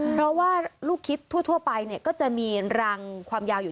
เพราะว่าลูกคิดทั่วไปเนี่ยก็จะมีรังความยาวอยู่